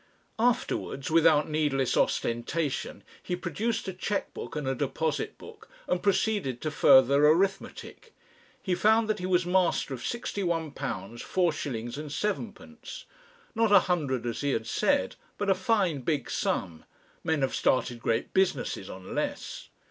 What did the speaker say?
Afterwards, without needless ostentation, he produced a cheque book and a deposit book, and proceeded to further arithmetic. He found that he was master of £61, 4s. 7d. Not a hundred as he had said, but a fine big sum men have started great businesses on less.